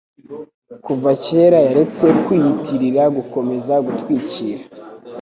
Kuva kera yaretse kwiyitirira gukomeza gutwikira.